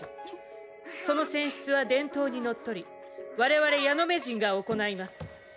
その選出は伝統にのっとり我々ヤノメ人が行います。